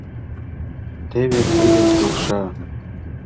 — Теве тиде келша?